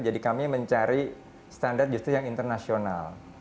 jadi kami mencari standar yang internasional